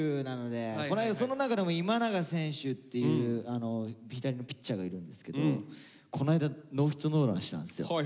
その中でも今永選手っていう左のピッチャーがいるんですけどこないだノーヒットノーランしたんですよ。